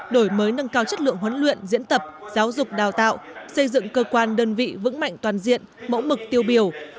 đổi mới nâng cao chất lượng huấn luyện diễn tập giáo dục đào tạo xây dựng cơ quan đơn vị vững mạnh toàn diện mẫu mực tiêu biểu